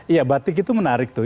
iya batik itu menarik tuh